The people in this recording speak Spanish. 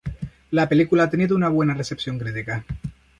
La película ha tenido una buena recepción crítica.